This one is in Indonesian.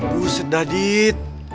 buset dah dit